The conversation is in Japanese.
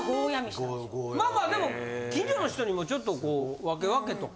まあまあでも近所の人にもちょっとこう分け分けとか。